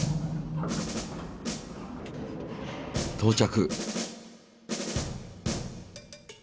到着。